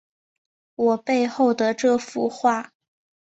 我背后的这幅画